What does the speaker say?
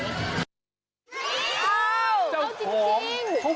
เจ้าของ